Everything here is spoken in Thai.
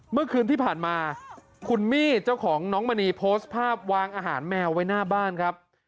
เมื่อคืนที่ผ่านมาคุณมี่เจ้าของน้องมณีโพสต์ภาพวางอาหารแมวไว้หน้าบ้านครับ